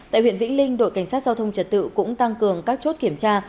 tại huyện vĩnh linh đội cảnh sát giao thông trật tự cũng tăng cường các chốt kiểm tra